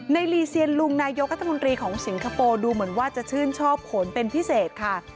ลีเซียนลุงนายกรัฐมนตรีของสิงคโปร์ดูเหมือนว่าจะชื่นชอบผลเป็นพิเศษค่ะ